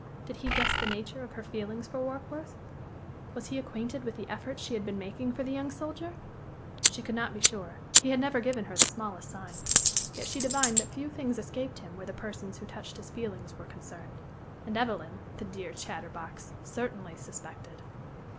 Did he guess the nature of her feeling for Warkworth? Was he acquainted with the efforts she had been making for the young soldier? She could not be sure; he had never given her the smallest sign. Yet she divined that few things escaped him where the persons who touched his feelings were concerned. And Evelyn the dear chatterbox certainly suspected.